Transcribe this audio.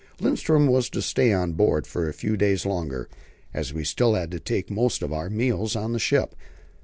Lindström was to stay on board for a few days longer, as we still had to take most of our meals on the ship.